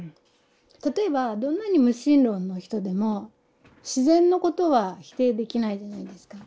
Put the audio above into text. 例えばどんなに無神論の人でも自然のことは否定できないじゃないですか。